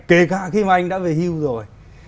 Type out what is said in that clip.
kể cả khi mà anh đã về hưu rồi